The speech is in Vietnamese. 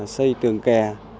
xây tường kè